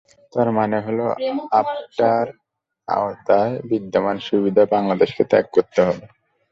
তার মানে হলো, আপটার আওতায় বিদ্যমান সুবিধা বাংলাদেশকে ত্যাগ করতে হবে।